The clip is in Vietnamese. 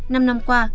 năm năm qua